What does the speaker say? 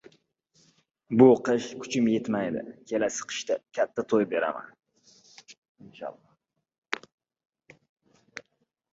Bu qish kuchim yetmaydi, kelasi qishda katta to‘y beraman!